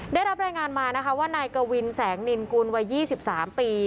ได้รับรายงานมานะคะว่านายกวินแสงนินกุลวัย๒๓ปี